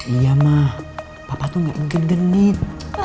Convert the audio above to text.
iya ma papa tuh gak mungkin genit